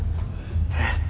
えっ？